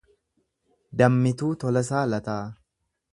Dammituu Tolasaa Lataa